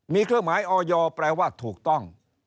มีเครื่องหมายออยแปลว่าถูกต้อง